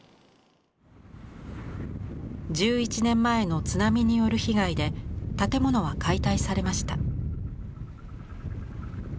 １１年前の津波による被害で建物は解体されました。